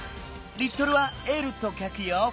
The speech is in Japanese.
リットルは「Ｌ」とかくよ。